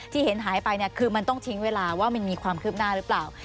ที่เห็นหายไปเนี่ยคือมันต้องทิ้งเวลาว่ามันมีความคืบหน้าหรือเปล่า